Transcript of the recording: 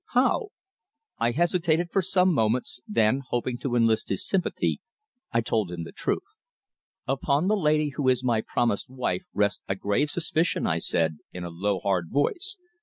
"How?" I hesitated for some moments, then, hoping to enlist his sympathy, I told him the truth. "Upon the lady who is my promised wife rests a grave suspicion," I said, in a low, hard voice.